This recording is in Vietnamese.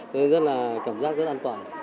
nên rất là cảm giác rất an toàn